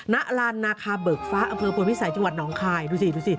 นะลานนาคาเบิกฟ้าอังเคราะห์ผลพิสัยจังหวัดน้องคายดูสิ